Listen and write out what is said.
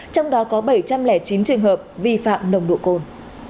trong đó có bảy trăm linh chín trường hợp vi phạm nồng độ cồn